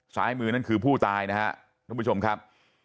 ซ้ายมือนั่นคือผู้ตายนะครับทุกผู้ชมครับ